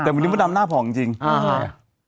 แต่วันนี้มดดำหน้าผ่องจริงอ่าฮะ